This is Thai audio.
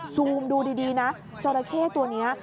ซูมดูดีนะจราเข้ตัวนี้